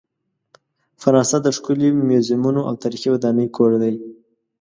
فرانسه د ښکلې میوزیمونو او تاریخي ودانۍ کور دی.